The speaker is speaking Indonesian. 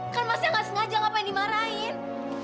kan masih gak sengaja ngapain dimarahin